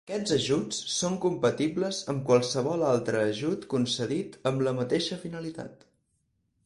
Aquests ajuts són compatibles amb qualsevol altre ajut concedit amb la mateixa finalitat.